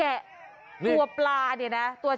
เอ้า